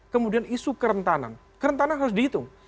kemudian isu kerentanan kerentanan harus dihitung